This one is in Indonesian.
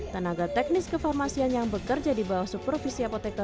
tenaga teknis kefarmasian yang bekerja di bawah superfungsi